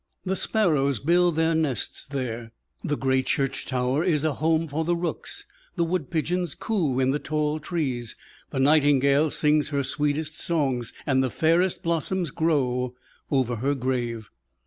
The sparrows build their nests there, the gray church tower is a home for the rooks, the wood pigeons coo in the tall trees, the nightingale sings her sweetest songs, and the fairest blossoms grow over her grave.